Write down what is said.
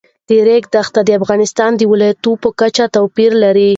د ریګ دښتې د افغانستان د ولایاتو په کچه توپیر لري.